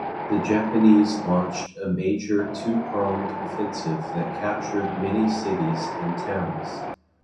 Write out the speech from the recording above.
The Japanese launched a major two-pronged offensive that captured many cities and towns.